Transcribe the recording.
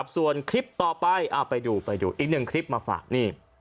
ส่วนคลิปต่อไปอีกหนึ่งคลิปมาฝากนี่